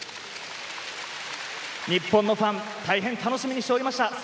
日本のファン、大変楽しみにしておりました。